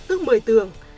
tức một mươi tường